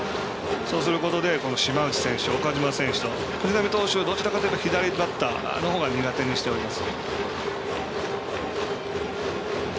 そうすることで島内選手、岡島選手と。藤浪投手はどちらかというと左バッターのほうを苦手にしています。